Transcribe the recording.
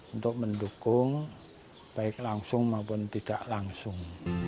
untuk mendukung baik langsung maupun tidak langsung